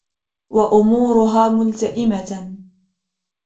وَأُمُورُهَا مُلْتَئِمَةً